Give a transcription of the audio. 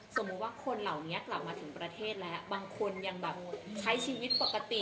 สมมุติว่าคนเหล่านี้กลับมาถึงประเทศแล้วบางคนยังแบบใช้ชีวิตปกติ